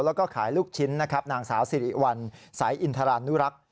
แล้วก็ขายลูกชิ้นนะครับนางสาวสิริวัลสายอินทรานุรักษ์